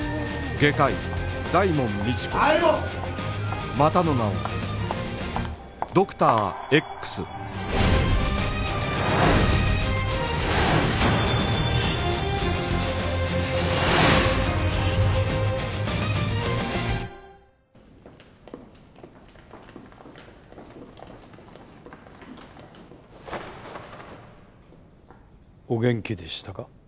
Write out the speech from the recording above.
外科医大門未知子またの名をドクター Ｘお元気でしたか？